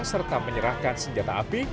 serta menyerahkan senjata api